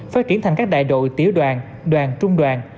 phát triển thành các đại đội tiểu đoàn đoàn trung đoàn